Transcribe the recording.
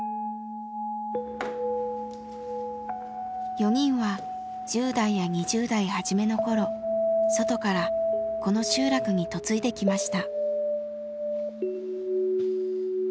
４人は１０代や２０代初めの頃外からこの集落に嫁いできました。